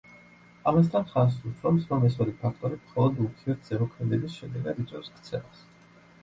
ამასთან ხაზს უსვამს, რომ ეს ორი ფაქტორი, მხოლოდ ურთიერთზემოქმედების შედეგად იწვევს ქცევას.